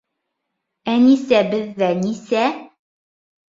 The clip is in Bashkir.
Әнисә беҙҙә нисә?